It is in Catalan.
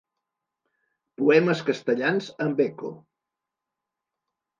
Poemes castellans amb eco.